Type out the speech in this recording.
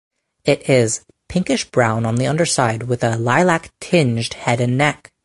It is pinkish brown on the underside with a lilac tinged head and neck.